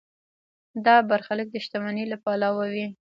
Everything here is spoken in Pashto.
دا برخلیک د شتمنۍ له پلوه وي.